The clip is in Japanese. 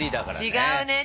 違うね。